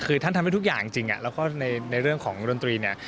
คือท่านทำให้ทุกอย่างจริงแล้วก็ในเรื่องของดนตรีเนี่ย